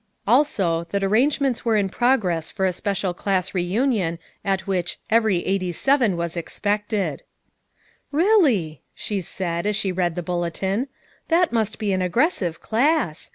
Also, that arrangements were in prog ress for a special class reunion at which "every '87 was expected." "Really!" she said, as she read the bulle tin, "that must be an aggressive class.